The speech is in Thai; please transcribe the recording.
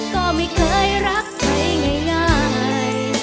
ก็ไม่เคยรักใครง่าย